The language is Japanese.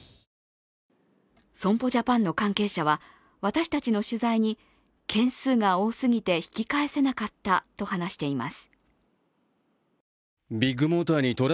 損保ジャパンの関係者は私たちの取材に件数が多すぎて引き返せなかったと話しています。